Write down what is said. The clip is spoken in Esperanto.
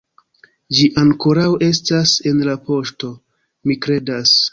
Ĝi ankoraŭ estas en la poŝto, mi kredas